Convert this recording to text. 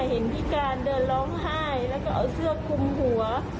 เห็นพิการเดินร้องไห้แล้วก็เอาเสื้อคุมหัว